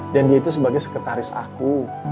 dan dia itu sebagai sekretaris aku